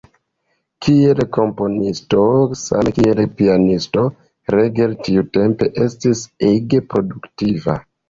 Kiel komponisto same kiel pianisto Reger tiutempe estis ege produktiva.